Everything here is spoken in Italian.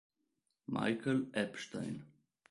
Michal Epstein